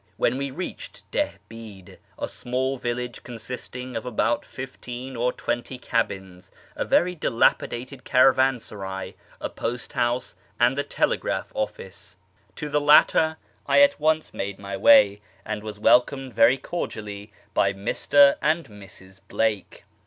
when we reached Dihbid, a small village consisting of about fifteen or twenty cabins, a very dilapidated caravansaray, a post house, and the telegraph office. To the latter I at once made my way, and was welcomed very cordially by Mr. and Mrs. Blake.